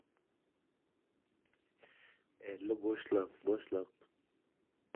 Bugungi ob-havo